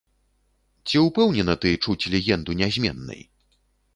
Ці ўпэўнена ты, чуць легенду нязменнай?